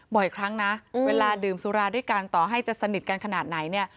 บ่อยครั้งนะเวลาดื่มสุราด้วยกันต่อให้จะสนิทกันขนาดไหนเนี่ย